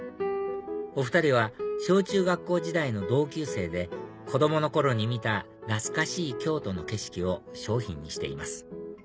お２人は小中学校時代の同級生で子供の頃に見た懐かしい京都の景色を商品にしています